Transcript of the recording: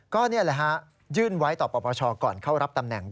ก็นี่แหละฮะยื่นไว้ต่อปปชก่อนเข้ารับตำแหน่ง